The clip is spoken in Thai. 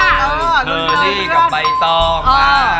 เชอรี่กับใบตองค่ะ